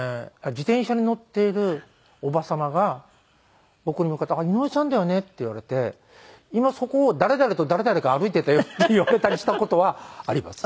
自転車に乗っているおば様が僕に向かって「井上さんだよね？」って言われて今そこを誰々と誰々が歩いていたよって言われたりした事はあります。